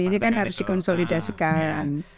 ini kan harus dikonsolidasikan